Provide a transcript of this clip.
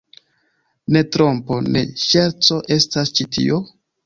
Ne trompo, ne ŝerco estas ĉi tio?